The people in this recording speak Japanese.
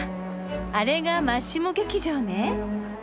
あれがマッシモ劇場ね。